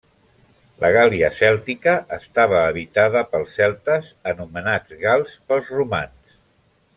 La Gàl·lia Cèltica estava habitada pels celtes, anomenats gals pels romans.